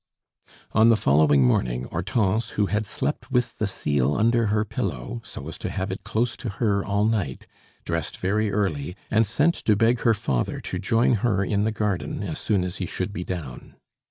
On the following morning, Hortense, who had slept with the seal under her pillow, so as to have it close to her all night, dressed very early, and sent to beg her father to join her in the garden as soon as he should be down.